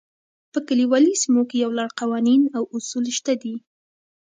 په کلیوالي سیمو کې یو لړ قوانین او اصول شته دي.